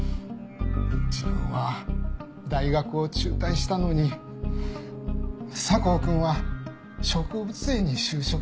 自分は大学を中退したのに佐向くんは植物園に就職して。